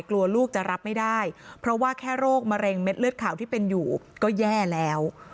กลัวลูกจะรับไม่ได้เพราะว่าแค่โรคมะเร็งเม็ดเลือดขาวที่เป็นอยู่ก็แย่แล้ว